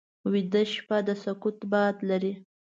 ویده شپه د سکوت باد لري